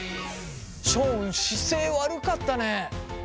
ション姿勢悪かったね。